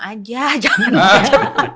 aja jangan di jakarta